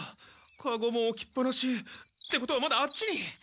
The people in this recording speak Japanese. カゴもおきっぱなし。ってことはまだあっちに。